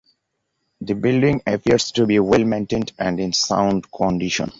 The building appears to be well maintained and in sound condition.